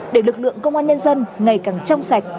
để lực lượng công an nhân dân ngày càng trong sạch